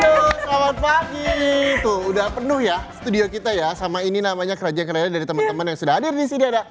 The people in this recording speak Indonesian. halo selamat pagi nih tuh udah penuh ya studio kita ya sama ini namanya kerajaan dari teman teman yang sudah hadir di sini ada